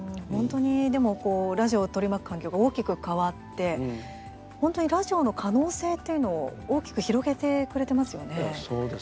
本当にでもラジオを取り巻く環境が大きく変わって本当にラジオの可能性というのを大きく広げてくれてますよね？